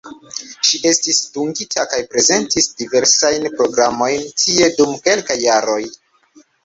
Ŝi estis dungita kaj prezentis diversajn programojn tie dum kelkaj jaroj.